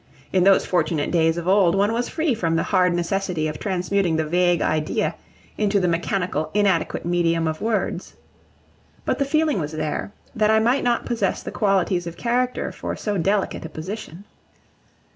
In those fortunate days of old one was free from the hard necessity of transmuting the vague idea into the mechanical inadequate medium of words. But the feeling was there, that I might not possess the qualities of character for so delicate a position.